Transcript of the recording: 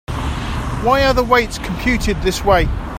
Why are the weights computed this way?